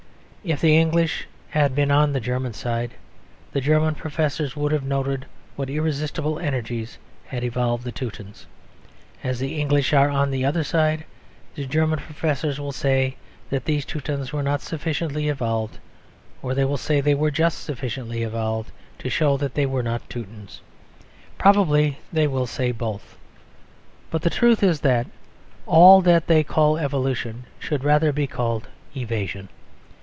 If the English had been on the German side, the German professors would have noted what irresistible energies had evolved the Teutons. As the English are on the other side, the German professors will say that these Teutons were not sufficiently evolved. Or they will say that they were just sufficiently evolved to show that they were not Teutons. Probably they will say both. But the truth is that all that they call evolution should rather be called evasion.